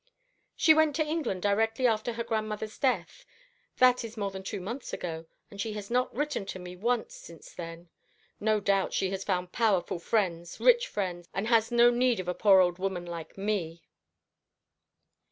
"She went to England directly after her grandmother's death that is more than two months ago and she has not written to me once since then. No doubt she has found powerful friends rich friends and has no need of a poor old woman like me."